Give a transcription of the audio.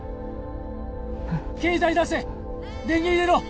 携帯出せ電源入れろ